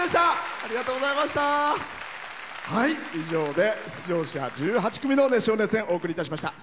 以上で出場者１８組の熱唱・熱演、お送りいたしました。